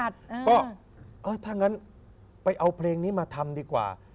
ก็ถ้างั้นไปเอาเพลงนี้มาทำดีกว่า